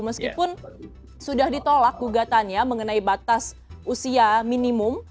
meskipun sudah ditolak gugatannya mengenai batas usia minimum